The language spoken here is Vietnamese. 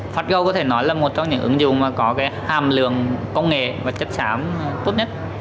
fastgo có thể nói là một trong những ứng dụng mà có cái hàm lượng công nghệ và chất sám tốt nhất